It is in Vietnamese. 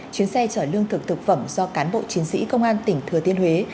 chuyến xe chở lương thực thực phẩm do cán bộ chiến sĩ công an tỉnh thừa thiên huế